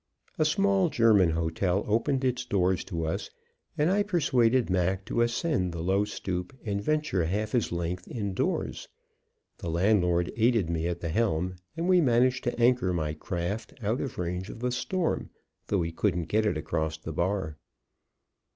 A small German hotel opened its doors to us, and I persuaded Mac to ascend the low stoop and venture half his length indoors; the landlord aided me at the helm and we managed to anchor my "craft" out of range of the storm, though we couldn't get it across the bar.